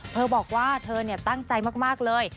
เธอบอกว่าเธอตั้งใจมากเลย